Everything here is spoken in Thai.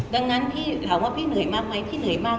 ดังนั้นพี่ถามว่าพี่เหนื่อยมากไหมพี่เหนื่อยมาก